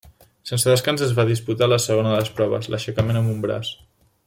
Sense descans es va disputar la segona de les proves, l'aixecament amb un braç.